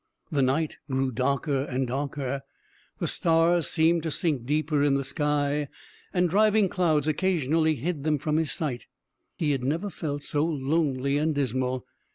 The night grew darker and darker, the stars seemed to sink deeper in the sky, and driving clouds occasionally hid them from his sight. He had never felt so lonely and dismal.